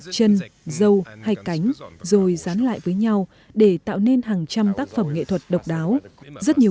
chân dâu hay cánh rồi dán lại với nhau để tạo nên hàng trăm tác phẩm nghệ thuật độc đáo rất nhiều